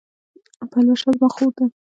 پلوشه زما خور ده